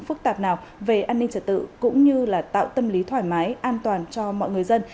phức tạp nào về an ninh trật tự cũng như là tạo tâm lý thoải mái an toàn cho mọi người dân